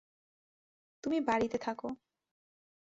তুমি বাড়িতে থাকো।